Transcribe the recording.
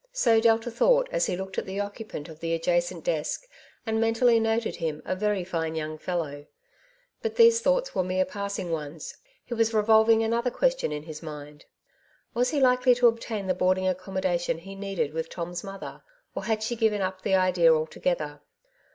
So Delta thought, as he looked at the occupant of the adjacent desk, and mentally noted him a very fine young fellow ; but these thoughts were mere passing ones. He was 178 " Two Sides to every Question. f> revolving another question in his mind; was he likely to obtain the boarding accommodation he needed with Tom^s mother^ or had she given up the idea altogether